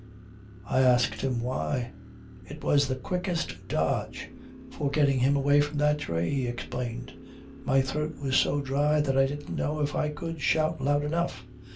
I asked him why? "It was the quickest dodge for getting him away from that tray," he explained. "My throat was so dry that I didn't know if I could shout loud enough.